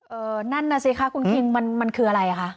เออนั่นน่ะสิคะคุณคิงมันมันคืออะไรคะ